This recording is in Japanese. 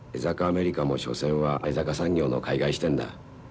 アメリカも所詮は江坂産業の海外支店だ。